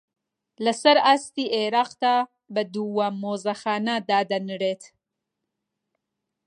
لەسەر ئاستی عێراقدا بە دووەم مۆزەخانە دادەنرێت